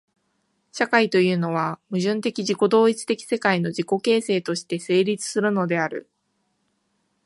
社会というのは、矛盾的自己同一的世界の自己形成として成立するのである。